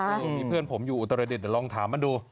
มีเพื่อนผมอยู่อุตรดิษฐ์เดี๋ยวลองถามมาดู